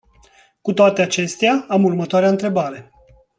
Cu toate acestea, am următoarea întrebare.